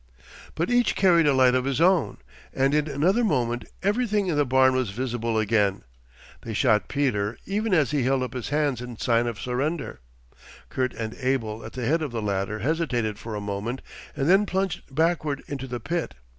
But each carried a light of his own, and in another moment everything in the barn was visible again. They shot Peter even as he held up his hands in sign of surrender. Kurt and Abel at the head of the ladder hesitated for a moment, and then plunged backward into the pit.